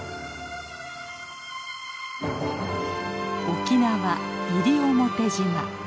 沖縄・西表島。